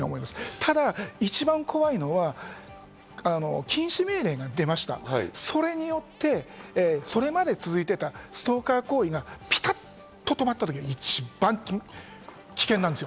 ただ一番怖いのは、禁止命令が出ました、それによってそれまで続いていたストーカー行為がピタっと止まった時が一番危険なんですよ。